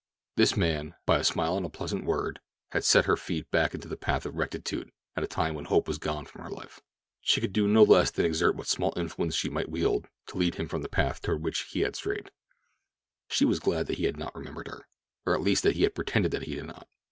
This man, by a smile and a pleasant word, had set her feet back into the path of rectitude at a time when hope was gone from her life. She could do no less than exert what small influence she might wield to lead him from the path toward which he was straying. She was glad that he had not remembered her, or at least that he had pretended that he did not.